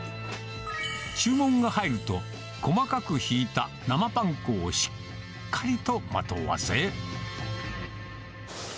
注文が入ると、細かくひいた生パン粉をしっかりとまとわせ。